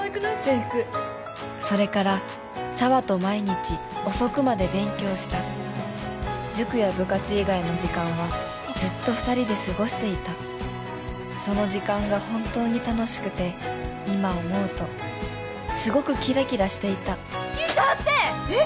制服それから紗羽と毎日遅くまで勉強した塾や部活以外の時間はずっと２人で過ごしていたその時間が本当に楽しくて今思うとすごくキラキラしていた９８点！えっ！